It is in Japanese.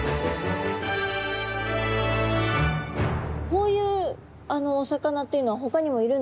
こういうお魚っていうのはほかにもいるんですか？